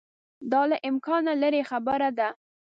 دا له امکانه لیري خبره ده.